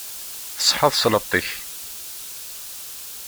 Tṣeḥḥa tesleṭ-ik.